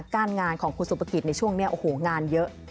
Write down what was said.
การงานของคุณสุภกิจในช่วงนี้โอ้โหงานเยอะ